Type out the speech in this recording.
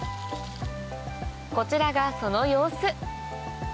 こちらがその様子